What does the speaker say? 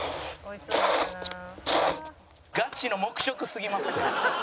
ガチの黙食すぎますって。